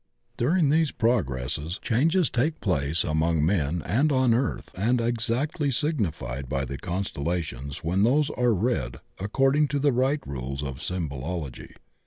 During these prog resses changes take place among men and on earth ex actly signified by the constellations when those are read according to the right rules of symbology.